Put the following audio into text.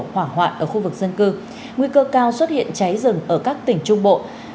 hỏa hoạn ở khu vực dân cư nguy cơ cao xuất hiện cháy rừng ở các tỉnh trung bộ